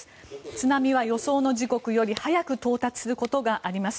津波は予想の時刻より早く到達することがあります。